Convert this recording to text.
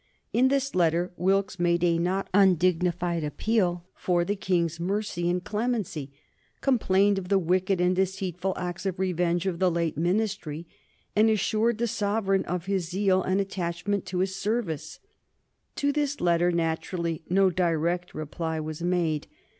In this letter Wilkes made a not undignified appeal for the King's mercy and clemency, complained of the wicked and deceitful acts of revenge of the late Ministry, and assured the sovereign of his zeal and attachment to his service. To this letter, naturally, no direct reply was made.